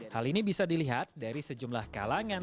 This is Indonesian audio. hal ini bisa dilihat dari sejumlah kalangan